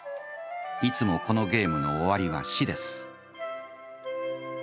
いつもこのゲームの終わりは「死」です